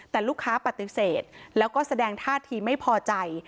แต่ลูกค้าปฏิเสธแล้วก็แสดงท่าทีไม่พอใจ